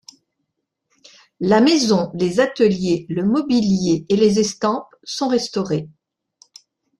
La maison, les ateliers, le mobilier et les estampes sont restaurés.